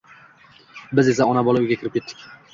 Biz esa ona bola uyga kirib ketdik